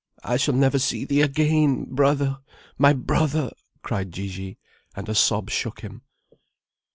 I shall never see thee again, brother, my brother!" cried Gigi, and a sob shook him.